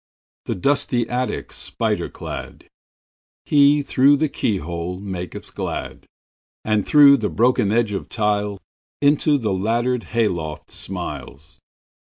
The dusty attic spider cladHe, through the keyhole, maketh glad; And through the broken edge of tiles, Into the laddered hay loft smiles.